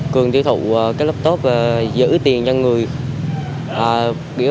cường tiêu thụ cái laptop và giữ tiền cho người